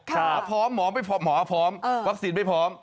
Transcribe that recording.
ขาพร้อมหมอพร้อมวัคซีนไปพร้อม